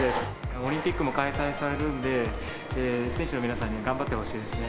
オリンピックも開催されるんで、選手の皆さんに頑張ってほしいですね。